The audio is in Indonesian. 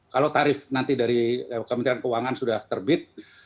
kalau tarif nanti dari kementerian keuangan sudah terbit